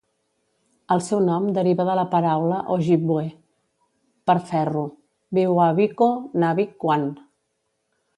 El seu nom deriva de la paraula Ojibwe per ferro: "Biwabiko-nabik-wan".